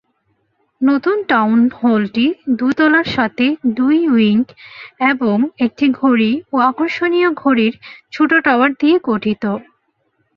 নতুন টাউন হলটি দুই তলার সাথে দুই উইং এবং একটি ঘড়ি ও আকর্ষণীয় ঘড়ির ছোট টাওয়ার দিয়ে গঠিত।